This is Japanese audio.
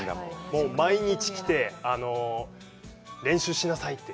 もう、毎日来て練習しなさいって。